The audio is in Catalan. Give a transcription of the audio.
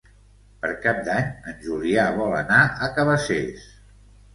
Per Cap d'Any en Julià vol anar a Cabacés.